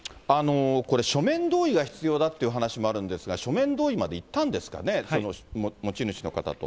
これ、書面同意が必要だという話があるんですが、書面同意までいったんそうですね。